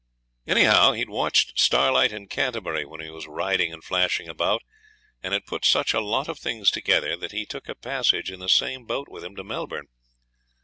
Anyhow he'd watched Starlight in Canterbury when he was riding and flashing about, and had put such a lot of things together that he took a passage in the same boat with him to Melbourne.